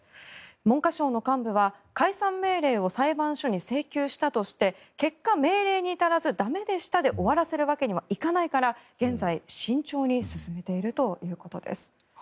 文科省の幹部は、解散命令を裁判所に請求したとして結果、命令に至らず駄目でしたで終わらせるわけにはいかないから現在、慎重に進めているということです。